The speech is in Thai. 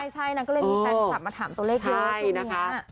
ใช่นางก็เลยมีแต่งก็จะมาถามตัวเลขเยอะชมทุกอย่างนี้